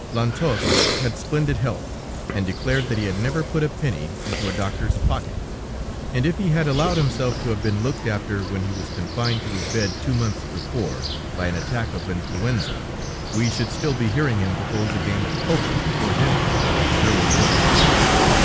"Lantosque had splendid health, and declared that he had never put a penny into a doctor's pocket, and if he had allowed himself to have been looked after when he was confined to his bed two months before, by an attack of influenza, we should still be hearing him propose a game of poker before dinner, in his shrill voice.